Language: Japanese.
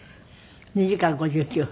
２時間５９分。